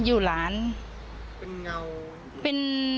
อยู่ร้าน